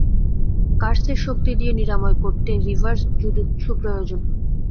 কার্সের শক্তি দিয়ে নিরাময় করতে রিভার্স জুজুৎসু প্রয়োজন।